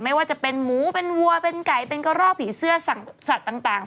ไม่ว่าจะเป็นหมูเป็นวัวเป็นไก่เป็นกระรอกผีเสื้อสัตว์ต่าง